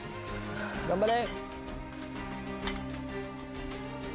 頑張れ。